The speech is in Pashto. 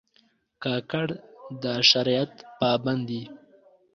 کاکړ د شریعت پابند دي.